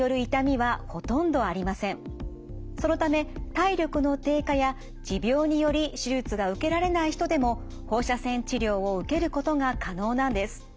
そのため体力の低下や持病により手術が受けられない人でも放射線治療を受けることが可能なんです。